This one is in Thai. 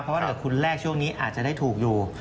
เพราะว่าถ้าเกิดคุณแลกช่วงนี้อาจจะได้ถูกอยู่